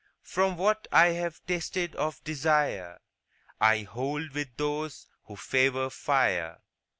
From what I've tasted of desire I hold with those who favor fire.